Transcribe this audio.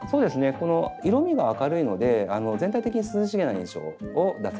この色みが明るいので全体的に涼しげな印象を出せると思います。